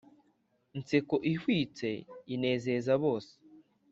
Nseko ihwitse inezeza bose